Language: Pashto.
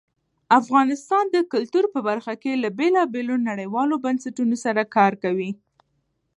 افغانستان د کلتور په برخه کې له بېلابېلو نړیوالو بنسټونو سره کار کوي.